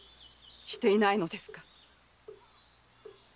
していないのですか？